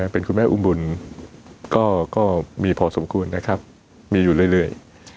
เป็นคุณแม่อุ้มบุญก็มีพอสมควรนะครับมีอยู่เรื่อย